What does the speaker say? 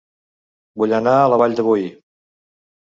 Vull anar a La Vall de Boí